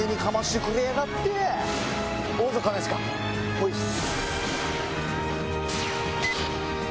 おいっす。